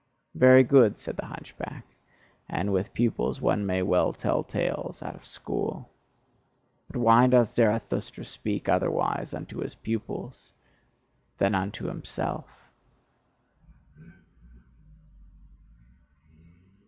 "Very good," said the hunchback; "and with pupils one may well tell tales out of school. But why doth Zarathustra speak otherwise unto his pupils than unto himself?"